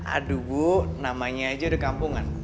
aduh bu namanya aja udah kampungan